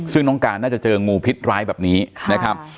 ซึ่งน้องการน่าจะเจองูพิษร้ายแบบนี้นะครับ